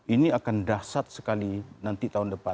ini akan dasar sekali nanti tahun depan